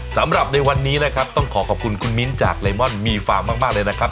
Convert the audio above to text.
สำหรับในวันนี้นะครับต้องขอขอบคุณคุณมิ้นจากเลมอนมีฟาร์มมากเลยนะครับ